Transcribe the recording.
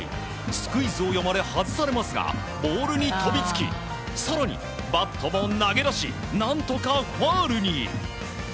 スクイズを読まれ、外されますがボールに飛びつき更に、バットも投げ出し何とかファウルに。